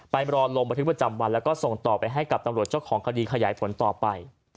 ไปรอลงบันทึกประจำวันแล้วก็ส่งต่อไปให้กับตำรวจเจ้าของคดีขยายผลต่อไป